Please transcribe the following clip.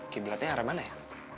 qibla nya yang arah mana ya